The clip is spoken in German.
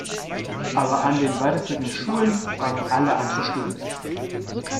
Aber an den weiterführenden Schulen fangen alle an zu stöhnen.